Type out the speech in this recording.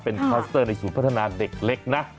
เป็นคลัสเตอร์ในศูนย์พัฒนาเด็กเล็กนะ